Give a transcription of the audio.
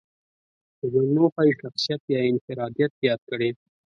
د ژوند موخه یې شخصيت يا انفراديت ياد کړی.